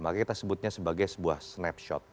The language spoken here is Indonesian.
maka kita sebutnya sebagai sebuah snapshot